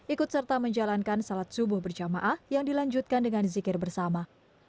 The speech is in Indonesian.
ikut serta menjalankan salat subuh berjamaah yang dilanjutkan dengan zikir bersama